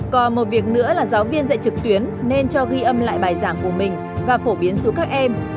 còn một việc nữa là giáo viên dạy trực tuyến nên cho ghi âm lại bài giảng của mình và phổ biến xuống các em